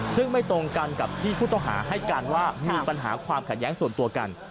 ซึ่งไม่ตรงกันกับที่ผู้ต้องหาให้การว่ามีปัญหาความขัดแย้งส่วนตัวกัน